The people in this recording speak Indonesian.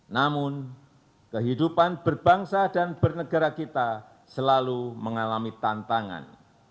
namun kehidupan berbangsa dan bernegara kita selalu mengalami tantangan